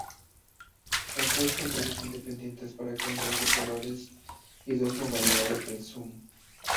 Hay tres controles independientes para cambiar los colores y dos modalidades de zoom.